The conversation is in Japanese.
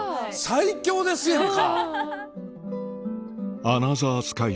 最強ですやんか！